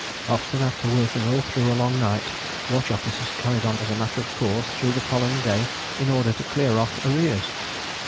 Often after working all through a long night watch officers carried on as a matter of course through the following day in order to clear off arrears.